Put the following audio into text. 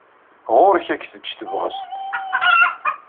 Ɣur-k ad k-teǧǧ tebɣest.